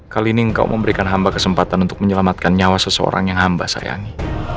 kali ini engkau memberikan hamba kesempatan untuk menyelamatkan nyawa seseorang yang hamba sayangi